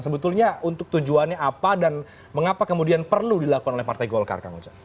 sebetulnya untuk tujuannya apa dan mengapa kemudian perlu dilakukan oleh partai golkar kang ujang